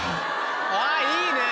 あっいいね。